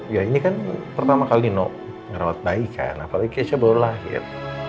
ya ini kan pertama kali no ngerawat bayi kan apalagi keisha baru lahir